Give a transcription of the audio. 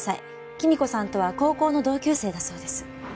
貴美子さんとは高校の同級生だそうです。